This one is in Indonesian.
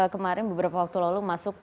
kemarin beberapa waktu lalu masuk